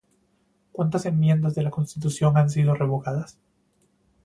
¿Cuántas enmiendas de la Constitución han sido revocadas?